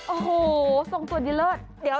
โอ้โหทรงตัวดีเลิศ